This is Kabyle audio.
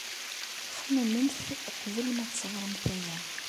Xemmememt uqbel ma tsewremt aya.